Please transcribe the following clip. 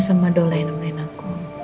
sama dola yang nemenin aku